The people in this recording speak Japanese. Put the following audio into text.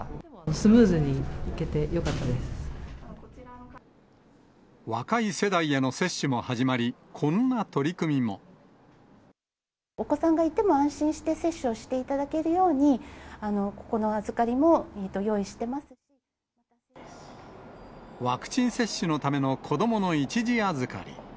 スムーズにいけてよかったで若い世代への接種も始まり、お子さんがいても、安心して接種をしていただけるように、ワクチン接種のための子どもの一時預かり。